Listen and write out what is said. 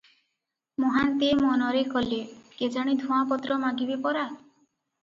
ମହାନ୍ତିଏ ମନରେ କଲେ, କେଜାଣି ଧୂଆଁପତ୍ର ମାଗିବେ ପରା?